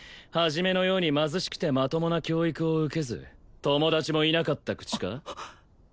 一のように貧しくてまともな教育を受けず友達もいなかったクチか？